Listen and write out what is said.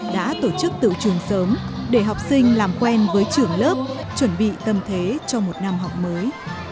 đã tổ chức tự trường sớm để học sinh làm quen với trường lớp chuẩn bị tâm thế cho một năm học mới